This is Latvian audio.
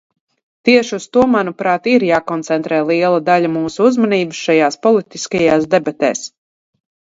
Tieši uz to, manuprāt, ir jākoncentrē liela daļa mūsu uzmanības šajās politiskajās debatēs.